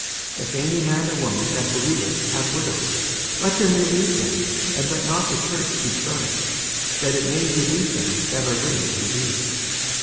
54:005:016 If any man or woman that believeth have widows, let them relieve them, and let not the church be charged; that it may relieve them that are widows indeed.